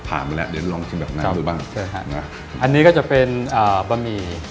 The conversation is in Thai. แอดใจ